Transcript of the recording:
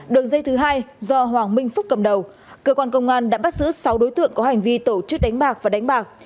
đường dây thứ hai do hoàng minh phúc cầm đầu cơ quan công an đã bắt giữ sáu đối tượng có hành vi tổ chức đánh bạc và đánh bạc